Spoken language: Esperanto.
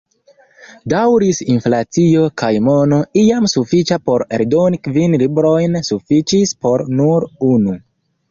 Daŭris inflacio, kaj mono, iam sufiĉa por eldoni kvin librojn, sufiĉis por nur unu.